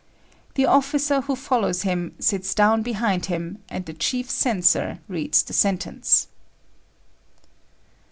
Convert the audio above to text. The officer who follows him sits down behind him, and the chief censor reads the sentence.